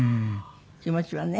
気持ちはね。